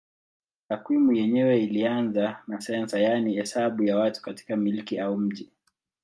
Takwimu yenyewe ilianza na sensa yaani hesabu ya watu katika milki au mji.